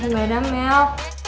gak ada mel